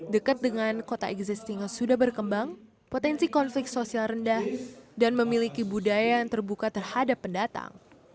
dekat dengan kota existing yang sudah berkembang potensi konflik sosial rendah dan memiliki budaya yang terbuka terhadap pendatang